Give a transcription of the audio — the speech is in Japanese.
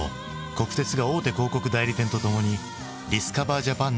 国鉄が大手広告代理店とともに「ディスカバー・ジャパン」